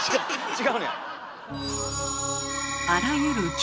違うねや。